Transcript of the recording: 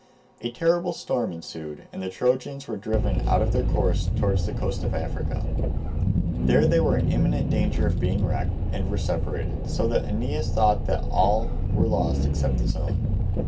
A terrible storm ensued and the Trojan ships were driven out of their course towards the coast of Africa. They were in imminent danger of being wrecked, and were separated, so that Aeneas thought that all were lost except his own.